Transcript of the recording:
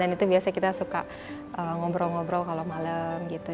dan itu biasa kita suka ngobrol ngobrol kalau malam gitu